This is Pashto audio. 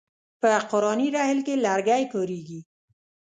په قرآني رحل کې لرګی کاریږي.